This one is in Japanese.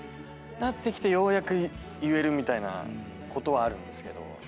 なってきてようやく言えるみたいなことはあるんですけど。